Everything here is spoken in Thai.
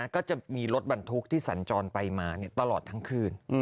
ก็จะมีรถบรรทุกที่สัญจรไปมาตลอดทั้งคืน